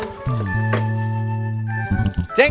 enggak ke warungnya entin ceng